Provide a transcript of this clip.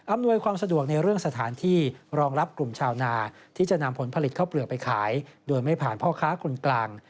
ความสะดวกในเรื่องสถานที่รองรับกลุ่มชาวนาที่จะนำผลผลิตข้าวเปลือกไปขายโดยไม่ผ่านพ่อค้าคนกลาง